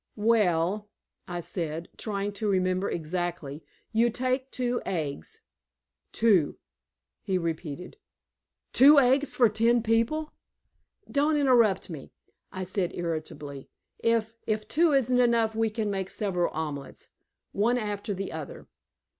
"Well," I said, trying to remember exactly, "you take two eggs " "Two!" he repeated. "Two eggs for ten people!" "Don't interrupt me," I said irritably. "If if two isn't enough we can make several omelets, one after the other."